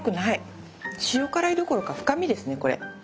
塩辛いどころか深みですねこれ。